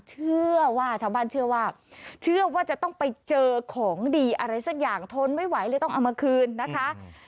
ชาวบ้านเชื่อว่าจะต้องไปเจอของดีอะไรสักอย่างทนไม่ไหวเลยต้องเอามาคืนนะคะ